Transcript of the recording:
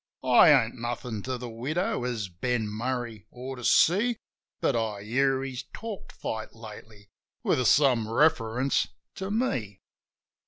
I ain't nothin' to the widow, as Ben Murray ought to see; But I hear he's talked fight lately, with some reference to me.